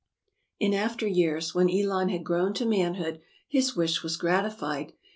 In after years, when Elon had grown to manhood, his wish was gratified.